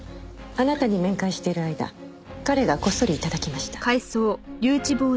あなたに面会している間彼がこっそり頂きました。